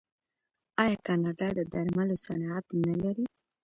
آیا کاناډا د درملو صنعت نلري؟